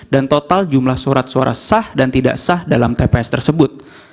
dan total jumlah surat suara sah dan tidak sah dalam tps tersebut